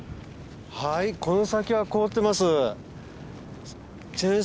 はいこの先は凍ってます。